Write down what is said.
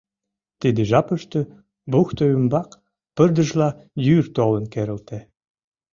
Тиде жапыште бухто ӱмбак пырдыжла йӱр толын керылте.